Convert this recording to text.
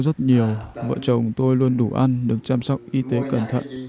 rất nhiều vợ chồng tôi luôn đủ ăn được chăm sóc y tế cẩn thận